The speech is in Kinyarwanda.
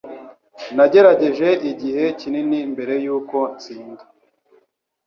Nagerageje igihe kinini mbere yuko ntsinda.